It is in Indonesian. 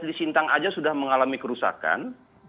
di sintang saja sudah mengalami kerusakan